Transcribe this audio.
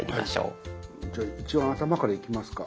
じゃあ一番頭からいきますか。